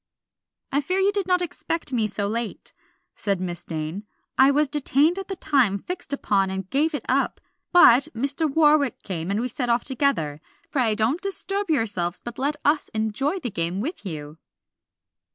"I fear you did not expect me so late," said Miss Dane. "I was detained at the time fixed upon and gave it up, but Mr. Warwick came, and we set off together. Pray don't disturb yourselves, but let us enjoy the game with you."